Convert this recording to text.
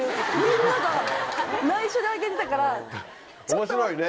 面白いね。